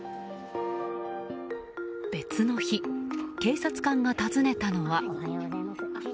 別の日、警察官が訪ねたのは。